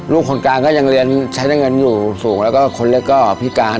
คนกลางก็ยังเรียนใช้ได้เงินอยู่สูงแล้วก็คนเล็กก็พิการ